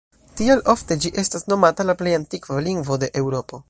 Tial, ofte ĝi estas nomata "la plej antikva lingvo de Eŭropo".